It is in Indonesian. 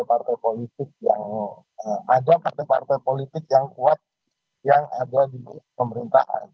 partai politik yang ada partai partai politik yang kuat yang ada di pemerintahan